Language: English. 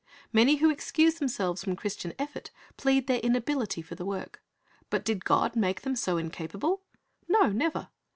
Many who excuse themselves from Christian effort plead their inability for the work. But did God make them so incapable? No, nev^er.